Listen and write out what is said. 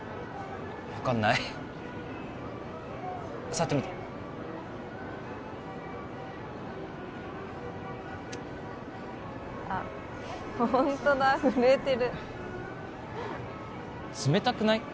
分かんない触ってみてあっホントだ震えてる冷たくない？